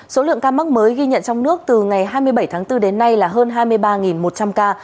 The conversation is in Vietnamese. số lượng ca mắc mới ghi nhận trong nước từ ngày hai mươi bảy tháng bốn đến nay là hơn hai mươi ba một trăm linh ca